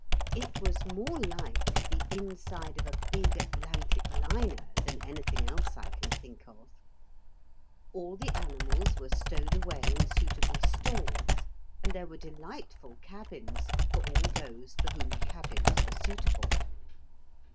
It was more like the inside of a big Atlantic liner than anything else I can think of. All the animals were stowed away in suitable stalls, and there were delightful cabins for all those for whom cabins were suitable.